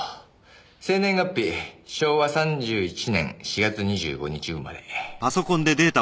生年月日昭和３１年４月２５日生まれ。